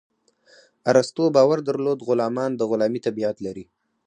ارسطو باور درلود غلامان د غلامي طبیعت لري.